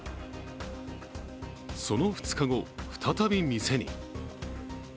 その２日後、再び店に。